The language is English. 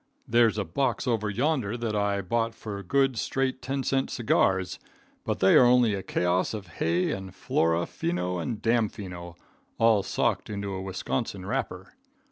There's a box over yonder that I bought for good, straight ten cent cigars, but they are only a chaos of hay and Flora, Fino and Damfino, all socked into a Wisconsin wrapper.